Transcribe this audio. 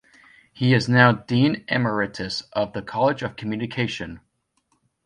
He is now Dean Emeritus of the College of Communication.